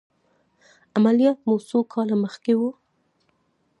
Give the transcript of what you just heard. عملیات مو څو کاله مخکې و؟